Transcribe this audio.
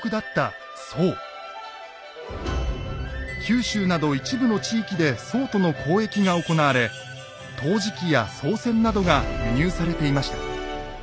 九州など一部の地域で宋との交易が行われ陶磁器や宋銭などが輸入されていました。